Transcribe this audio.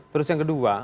terus yang kedua